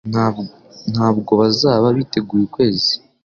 Ntabwo bazaba biteguye ukwezi.